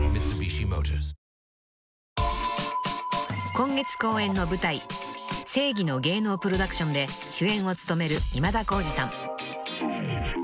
［今月公演の舞台『正偽の芸能プロダクション』で主演を務める今田耕司さん］